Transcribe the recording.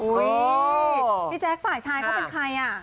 พี่แจ๊คฝ่ายชายเขาเป็นใครอ่ะ